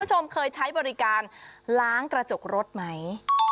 คุณผู้ชมเคยใช้บริการล้างกระจกรถไหม